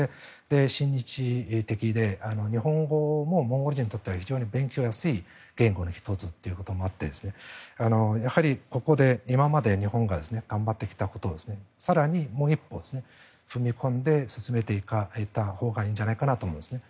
親日的で日本語もモンゴル人にとっては非常に勉強しやすい言語の１つということもあってやはり、ここで今まで日本が頑張ってきたことを更にもう一歩踏み込んで進めていかれたほうがいいんじゃないかなと思うんですね。